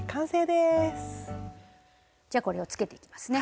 じゃこれをつけていきますね。